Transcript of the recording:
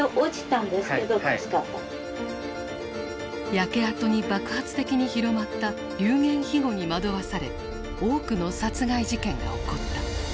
焼け跡に爆発的に広まった流言飛語に惑わされ多くの殺害事件が起こった。